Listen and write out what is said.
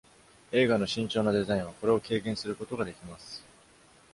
映画の慎重なデザインはこれを軽減することができます。